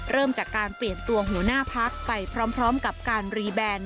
เริ่มจากการเปลี่ยนตัวหัวหน้าพักไปพร้อมกับการรีแบน